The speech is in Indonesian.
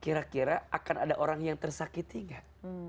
kira kira akan ada orang yang tersakiti gak